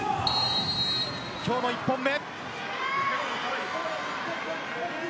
今日の１本目。